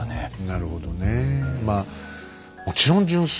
なるほどね。